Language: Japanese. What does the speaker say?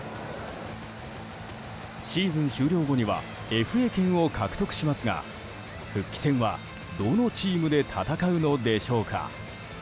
シーズン終了後にはＦＡ権を獲得しますが復帰戦はどのチームで戦うのでしょうか。